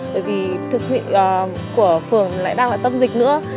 bởi vì thực sự của phường lại đang là tâm dịch nữa